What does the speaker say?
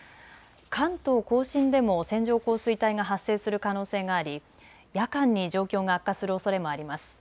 関東甲信でも線状降水帯が発生する可能性があり夜間に状況が悪化するおそれもあります。